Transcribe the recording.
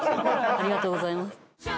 ありがとうございます。